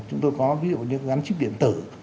chúng tôi có ví dụ như gắn chip điện tử